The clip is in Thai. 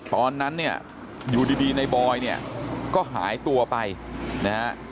ตอนนั้นเนี่ยอยู่ดีในบอยเนี่ยก็หายตัวไปนะฮะ